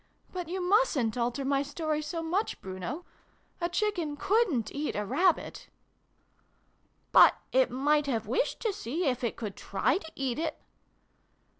But you mustn't alter my story so much, Bruno. A Chicken couldnt eat a Rabbit !"" But it might have wished to see if it could try to eat it."